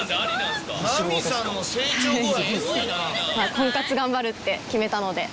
婚活頑張るって決めたので。